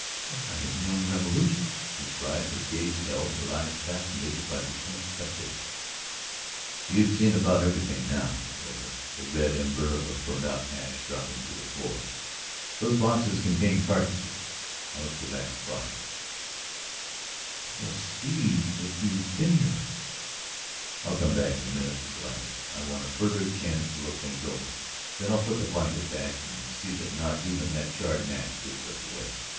"It looks like a young revolution!" she cried, her gaze held, her eyes fascinated by the unexpected. "You've seen about everything now," he told her, the red ember of a burnt out match dropping to the floor. "Those boxes contain cartridges. Now let's go back to Brocky." "But they'll see that you have been here. ..." "I'll come back in a minute with the lantern; I want a further chance to look things over. Then I'll put the blanket back and see that not even that charred match gives us away.